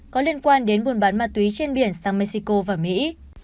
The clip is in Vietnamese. có liên quan đến buôn bán ma túy trên biển sang mexico và mỹ